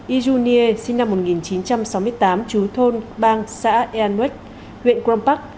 ijunie sinh năm một nghìn chín trăm sáu mươi tám trú thôn bang xã eanwek huyện grombach